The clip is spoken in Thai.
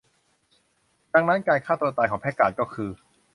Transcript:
ดังนั้นการฆ่าตัวตายของแพคการ์ดก็คือ